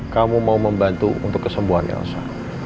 kamu mau membantu untuk kesembuhan elsa